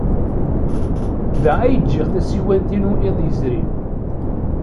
Da ay jjiɣ tasiwant-inu iḍ yezrin.